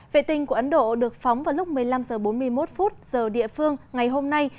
vệ tinh của ấn độ được phóng vào lúc một mươi năm h bốn mươi một giờ địa phương ngày hôm nay